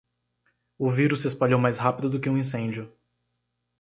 O vírus se espalhou mais rápido do que um incêndio.